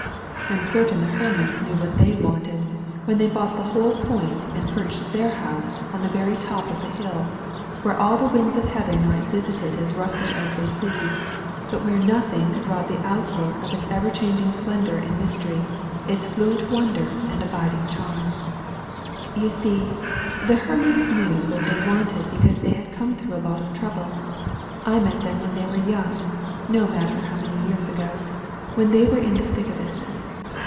I am certain the Hermanns knew what they wanted when they bought the whole point and perched their house on the very top of the hill, where aU the winds of heaven might visit it as roughly as they pleased, but where nothing could rob the outlook of its ever changing splendor and mysteiy, its fluent wonder and abiding charm. You see» the Hermanns knew what they wanted because they had come through a lot of trouble. I met them when they were young — ^no matter how many years ago — ^when they were in the thick of it.